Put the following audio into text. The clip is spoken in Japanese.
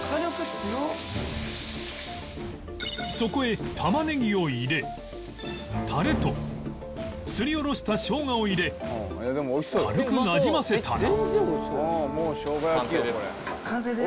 そこへタマネギを入れタレとすりおろした生姜を入れ軽くなじませたら